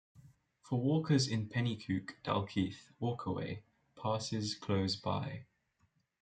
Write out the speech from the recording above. For walkers the Penicuik-Dalkeith Walkway passes close by.